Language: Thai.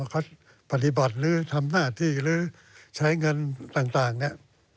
เขาปฏิบัติหรือทำหน้าที่หรือใช้เงินต่างเนี่ย